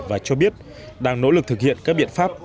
và cho biết đang nỗ lực thực hiện các biện pháp